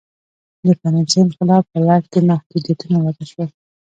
د فرانسې انقلاب په لړ کې محدودیتونه وضع شول.